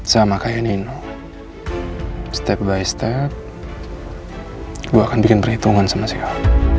saya nino step by step gue akan bikin perhitungan sama si al